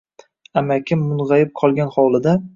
Amakim mung‘ayib qolgan hovlida